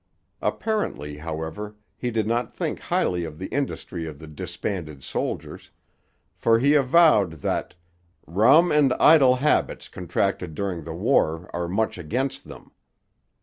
Apparently, however, he did not think highly of the industry of the disbanded soldiers, for he avowed that 'rum and idle habits contracted during the war are much against them.'